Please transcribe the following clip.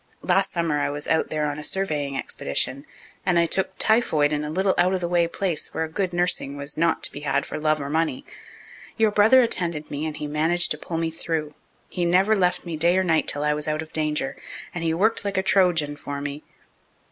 Last summer I was out there on a surveying expedition, and I took typhoid in a little out of the way place where good nursing was not to be had for love or money. Your brother attended me and he managed to pull me through. He never left me day or night until I was out of danger, and he worked like a Trojan for me."